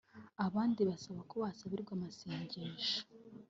abandi basaba ko yasabirwa amasengesho